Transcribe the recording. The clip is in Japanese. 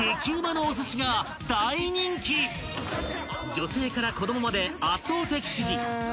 ［女性から子供まで圧倒的支持］